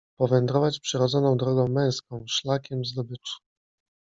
powędrować przyrodzoną drogą męską - szlakiem zdobyczy.